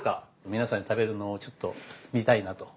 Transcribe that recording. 皆さんに食べるのをちょっと見たいなと。